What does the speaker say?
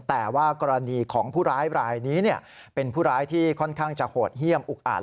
แต่ว่ากรณีของผู้ร้ายรายนี้เป็นผู้ร้ายที่ค่อนข้างจะโหดเยี่ยมอุกอาจ